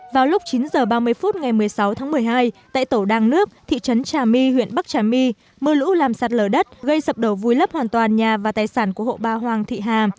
vào lúc chín h ba mươi phút ngày một mươi sáu tháng một mươi hai tại tổ đang nước thị trấn trà my huyện bắc trà my mưa lũ làm sạt lở đất gây sập đổ vùi lấp hoàn toàn nhà và tài sản của hộ bà hoàng thị hà